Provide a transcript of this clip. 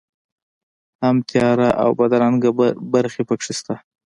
هم تیاره او بدرنګه برخې په کې شته.